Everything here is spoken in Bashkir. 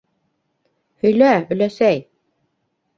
— Һөйлә, өләсәй!